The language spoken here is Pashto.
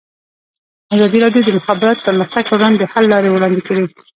ازادي راډیو د د مخابراتو پرمختګ پر وړاندې د حل لارې وړاندې کړي.